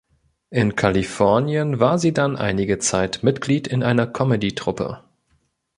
In Kalifornien war sie dann einige Zeit Mitglied in einer Comedy-Truppe.